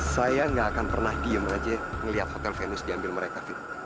saya nggak akan pernah diem aja melihat hotel venus diambil mereka